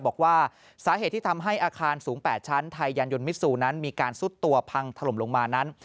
บอกว่าสาเหตุที่ทำให้อาคารสูง๘ชั้นไทยยานยนมิซูนั้นมีการซุดตัวพังถล่มลงมานั้น